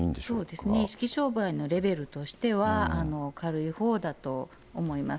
そうですね、意識障害のレベルとしては、軽いほうだと思います。